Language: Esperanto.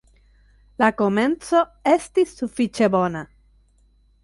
La komenco estis sufiĉe bona.